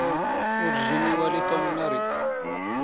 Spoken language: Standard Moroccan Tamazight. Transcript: ⵓⵔ ⵊⵊⵉⵏ ⵉⵡⴰⵍⵉ ⵜⵓⵎ ⵎⴰⵔⵉ.